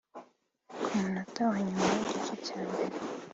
Ku munota wa nyuma w’igice cya mbere